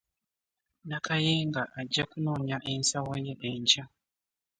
Nakayenga ajja kunonya ensawo ye enkya.